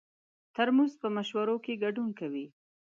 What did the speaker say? ترموز په مشورو کې ګډون کوي.